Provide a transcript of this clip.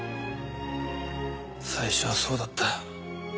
最初はそうだった。